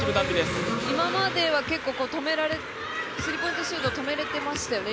今までは結構スリーポイントシュート止められていましたよね